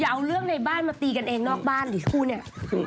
อย่าเอาเรื่องในบ้านมาตีกันเองนอฟบ้านอีกคู่นี่